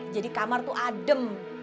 jadi kamar tuh adem